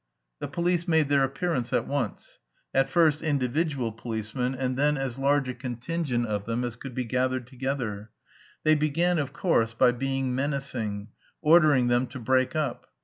The police made their appearance at once, at first individual policemen and then as large a contingent of them as could be gathered together; they began, of course, by being menacing, ordering them to break up.